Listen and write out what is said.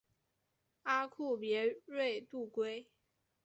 阿库别瑞度规。